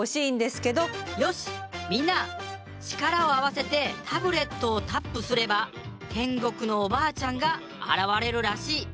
「よしみんな力を合わせてタブレットをタップすれば天国のおばあちゃんが現れるらしい。